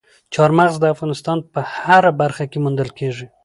چار مغز د افغانستان په هره برخه کې موندل کېږي.